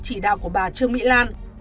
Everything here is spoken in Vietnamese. chỉ đạo của bà trương mỹ lan